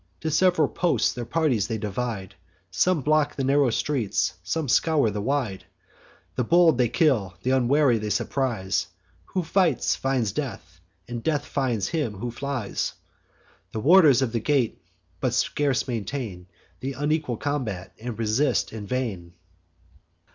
To sev'ral posts their parties they divide; Some block the narrow streets, some scour the wide: The bold they kill, th' unwary they surprise; Who fights finds death, and death finds him who flies. The warders of the gate but scarce maintain Th' unequal combat, and resist in vain.